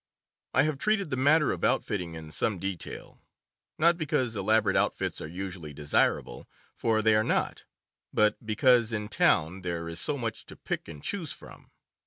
I have treated the matter of outfitting in some detail, not because elaborate outfits are usually desir able, for they are not, but because in town there is so much to pick and choose from.